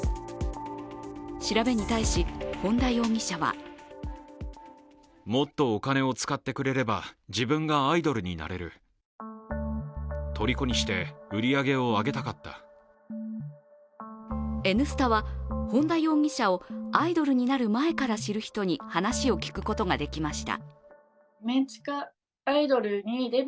調べに対し、本田容疑者は「Ｎスタ」は本田容疑者をアイドルになる前から知る人に話を聞くことができました。